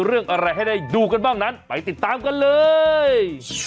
เพราะนั้นไปติดตามกันเลย